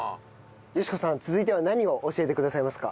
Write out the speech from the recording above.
佳子さん続いては何を教えてくださいますか？